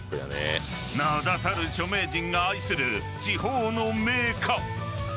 ［名だたる著名人が愛する地方の銘菓］